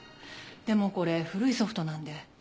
でもこれ古いソフトなんで。